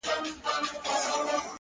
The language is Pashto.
چي ستا تر تورو غټو سترگو اوښكي وڅڅيږي!!